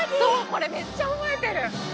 これめっちゃ覚えてる！